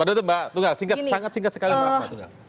waduh mbak tunggal singkat sangat singkat sekali mbak tunggal